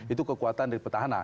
itu kekuatan dari petahana